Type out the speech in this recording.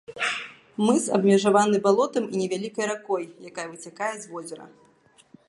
Мыс абмежаваны балотам і невялікай ракой, якая выцякае з возера.